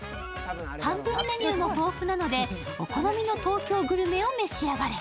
単品メニューも豊富なのでお好みの東京グルメを召し上がれ。